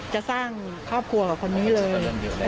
จะสร้างครอบครัวกับคนนี้เลย